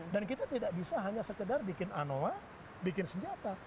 kita tidak bisa hanya sekedar bikin anoa bikin senjata